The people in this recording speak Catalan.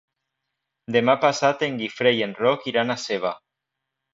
Demà passat en Guifré i en Roc iran a Seva.